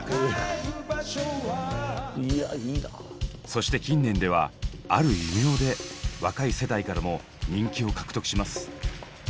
そして近年では「ある異名」で若い世代からも人気を獲得します。